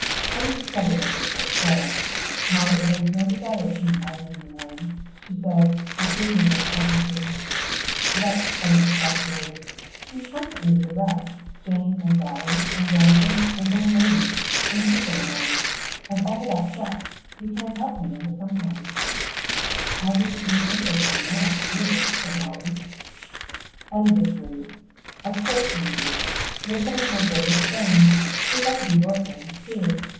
Eddy discovered that this was so. Molly evinced no desire to meet Eileen Le Moine. She said "Aunt Vyvian doesn't want me to." "But," Eddy expostulated, "she's constantly with the rest Jane and Sally, and Denison, and Billy Raymond, and Cecil Le Moine, and all that set you can't help meeting her sometimes." "I needn't meet any of them much, really," said Molly. Eddy disagreed. "Of course you need. They're some of my greatest friends. They've got to be your friends too.